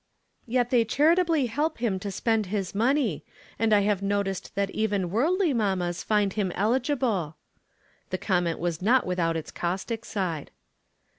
"Yet they charitably help him to spend his money. And I have noticed that even worldly mammas find him eligible." The comment was not without its caustic side.